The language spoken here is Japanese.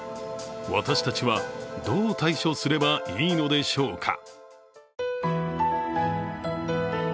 私たちはどう対処すればいいのでしょうか？